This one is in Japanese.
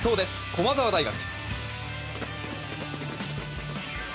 駒澤大学。